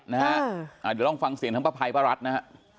เดี๋ยวลองฟังเสียงทั้งป้าภัยป้ารัฐนะฮะ